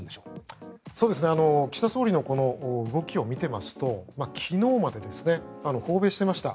岸田総理の動きを見てますと、昨日まで訪米していました。